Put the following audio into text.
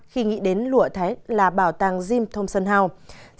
khi nghĩ đến lụa thái là bảo tàng jim thomson house